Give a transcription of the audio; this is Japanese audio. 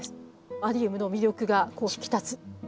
アリウムの魅力が引き立つ。